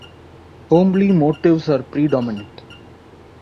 Homely motives are predominant.